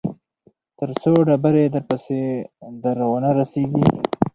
تر څو ډبرې درپسې در ونه رسېږي.